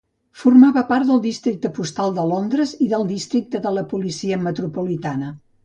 Formava part del districte postal de Londres i del districte de la policia metropolitana.